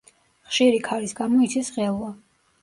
ხშირი ქარის გამო იცის ღელვა.